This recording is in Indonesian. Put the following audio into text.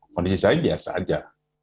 kondisi saya biasa saja